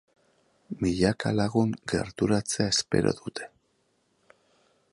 Milaka lagun gerturatzea espero dute.